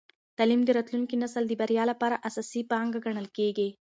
تعلیم د راتلونکي نسل د بریا لپاره اساسي پانګه ګڼل کېږي.